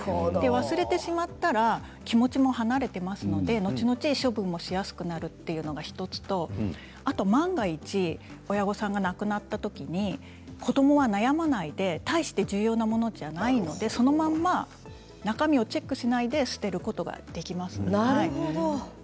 忘れてしまったら気持ちも離れていきますのでのちのち、処分もしやすくなるというのが１つと万が一親御さんが亡くなった時に子どもは悩まないで対して重要なものじゃないのでそのまま中身をチェックしないで捨てることができます。